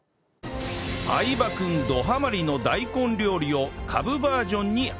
相葉君ドハマりの大根料理をカブバージョンにアレンジ